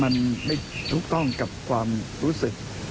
โน้ท